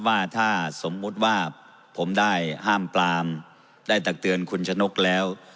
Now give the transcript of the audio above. ว่าถ้าสมมุติว่าผมได้ห้ามปลามได้ตักเตือนคุณชะนกแล้ว